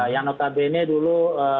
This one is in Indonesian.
yang notabene dulu